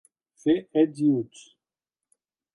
Fer ets i uts.